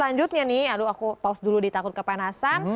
lanjutnya nih aduh aku pause dulu ditakut kepanasan